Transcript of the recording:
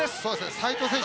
斎藤選手